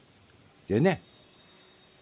Dene.